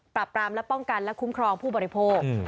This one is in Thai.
ปรับปรามและป้องกันและคุ้มครองผู้บริโภค